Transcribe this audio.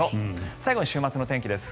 最後に週末の天気です。